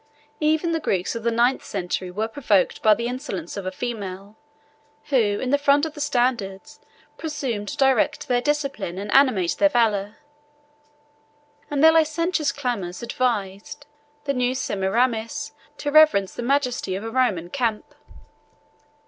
Even the Greeks of the ninth century were provoked by the insolence of a female, who, in the front of the standards, presumed to direct their discipline and animate their valor; and their licentious clamors advised the new Semiramis to reverence the majesty of a Roman camp.